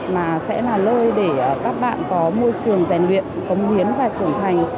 mà sẽ là nơi để các bạn có môi trường rèn luyện cống hiến và trưởng thành